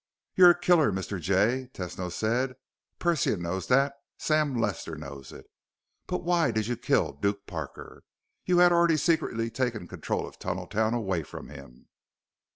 "You're a killer, Mr. Jay," Tesno said. "Persia knows that. Sam Lester knows it. But why did you kill Duke Parker? You had already secretly taken control of Tunneltown away from him."